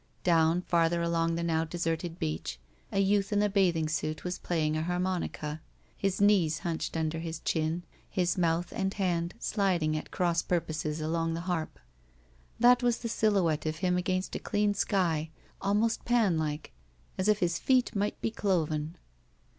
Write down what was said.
Down farther along the now deserted beach a 3^outh in a bathing suit was playing a harmonica, his knees htmched tmder his chin, his mouth and hand sliding at cross purposes along the harp. That was the silhouette of him against a clean sky, almost Panlike, as if his feet might be cloven.